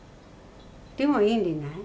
でもいいんでない？